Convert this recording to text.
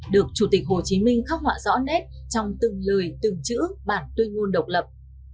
được chủ tịch hồ chí minh khắc họa rõ nét trong từng lời từng chữ bản tuyên ngôn độc lập